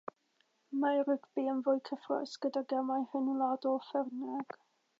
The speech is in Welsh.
Mae rygbi yn fwy cyffrous, gyda gemau rhyngwladol ffyrnig